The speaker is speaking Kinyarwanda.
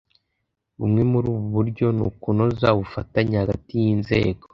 bumwe muri ubu buryo ni ukunoza ubufatanye hagati y’inzego